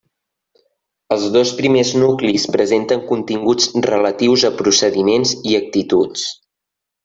Els dos primers nuclis presenten continguts relatius a procediments i actituds.